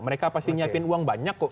mereka pasti nyiapin uang banyak kok